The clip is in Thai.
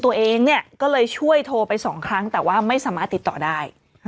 ตัวเองเนี่ยก็เลยช่วยโทรไปสองครั้งแต่ว่าไม่สามารถติดต่อได้